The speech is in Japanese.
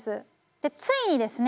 でついにですね